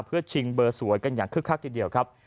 เพื่อชิงเบอร์สวยกันอย่างคึกคักทีเดียวครับ